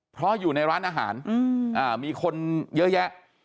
เพราะอยู่ในร้านอาหารมีคนเยอะแยะ